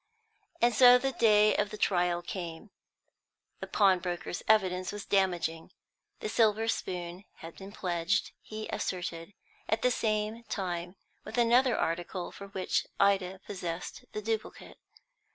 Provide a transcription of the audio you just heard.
And so the day of the trial came. The pawnbroker's evidence was damaging. The silver spoon had been pledged, he asserted, at the same time with another article for which Ida possessed the duplicate.